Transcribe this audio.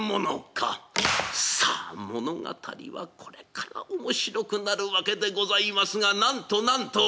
さあ物語はこれから面白くなるわけでございますがなんとなんと！